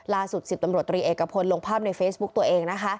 ล่าสุด๑๐ตำรวจตรีเอกพลลงภาพในเฟซบุ๊กตัวเองนะคะ